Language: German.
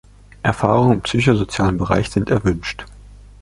Erfahrungen im psychosozialen Bereich sind erwünscht.